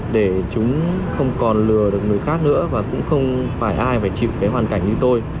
để chúng không còn lừa được người khác nữa và cũng không phải ai phải chịu cái hoàn cảnh như tôi